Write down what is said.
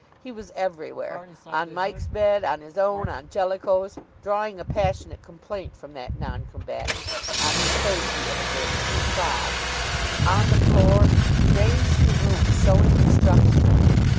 He was everywhere on Mike's bed, on his own, on Jellicoe's (drawing a passionate complaint from that non combatant, on whose face he inadvertently trod), on the floor he ranged the room, sowing destruction.